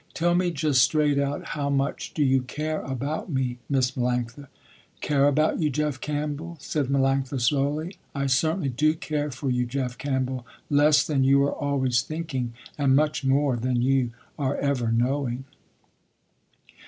Tell me just straight out how much do you care about me, Miss Melanctha." "Care about you Jeff Campbell," said Melanctha slowly. "I certainly do care for you Jeff Campbell less than you are always thinking and much more than you are ever knowing."